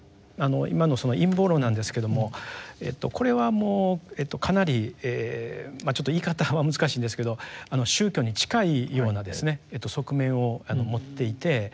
今のその陰謀論なんですけどもこれはもうかなりまあちょっと言い方は難しいんですけど宗教に近いような側面を持っていて。